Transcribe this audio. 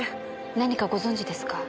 何かご存じですか？